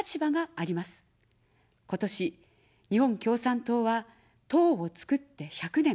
今年、日本共産党は党をつくって１００年。